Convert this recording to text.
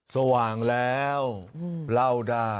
สว่างแล้วเล่าได้